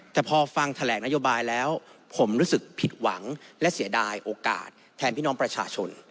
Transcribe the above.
แต่พอฟังแถลงนโยบายแล้วผมรู้สึกผิดหวังและเสียดายโอกาสแทนพี่น้องประชาชน